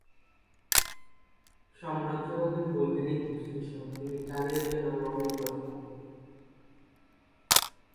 সাম্রাজ্যবাদের বৈজ্ঞানিক বিশ্লেষণ তিনি চালিয়ে যান আরো অনেক রচনায়।